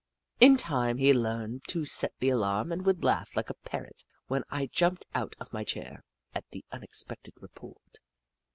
In time he learned to set the alarm and would laugh like a Parrot when I jumped out of my chair at the unexpected report.